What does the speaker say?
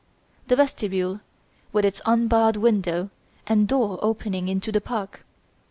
3. Vestibule, with its unbarred window and door opening into the park.